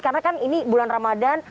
karena kan ini bulan ramadhan